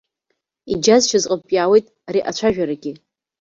Иџьазшьаз рҟнытә иаауеит ари ацәажәарагьы.